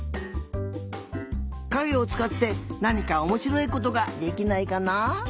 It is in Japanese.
かげをつかってなにかおもしろいことができないかな？